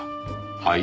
はい？